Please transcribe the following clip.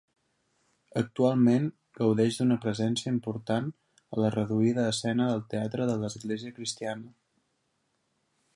Actualment gaudeix d'una presència important a la reduïda escena del teatre de l'església cristiana.